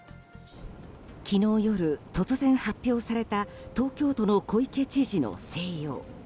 昨日夜、突然発表された東京都の小池知事の静養。